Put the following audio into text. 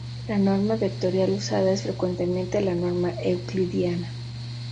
La norma vectorial usada es frecuentemente la norma euclidiana.